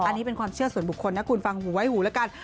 อันนี้เป็นความเชื่อส่วนบุคคลนะคุณฟังหูไว้หูแล้วกัน